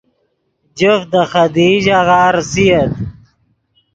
جفت دے خدیئی ژاغہ ریسییت